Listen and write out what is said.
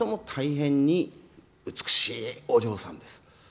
この人も、大変に美しいお嬢さんです。